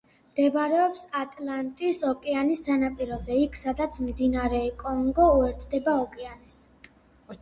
მდებარეობს ატლანტის ოკეანის სანაპიროზე, იქ სადაც მდინარე კონგო უერთდება ოკეანეს.